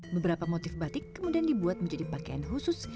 beberapa motif batik kemudian dibuat menjadi pakaian khusus